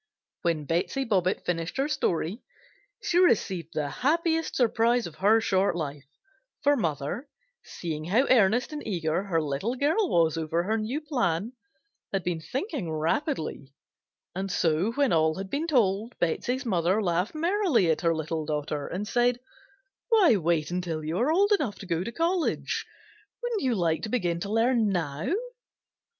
When Betsey Bobbitt finished her story she received the happiest surprise of her short life, for mother, seeing how earnest and eager her little girl was over her new plan, had been thinking rapidly, and so when all had been told Betsey's mother laughed merrily at her little daughter and said: "Why wait until you are old enough to go to college? Wouldn't you like to begin to learn now?"